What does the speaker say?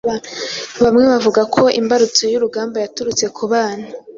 Bamwe bavuga ko imbarutso y’urugamba yaturutse ku bana